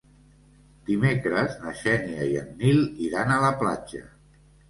Dimecres na Xènia i en Nil iran a la platja.